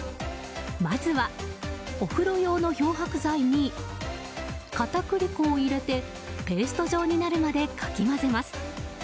まずは、お風呂用の漂白剤に片栗粉を入れてペースト状になるまでかき混ぜます。